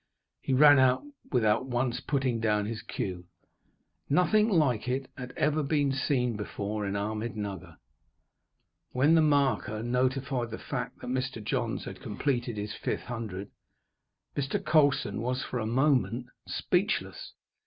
He ran out without once putting down his cue. Nothing like it had ever been seen before in Ahmednugger. When the marker notified the fact that Mr. Johns had completed his fifth hundred, Mr. Colson was, for a moment, speechless.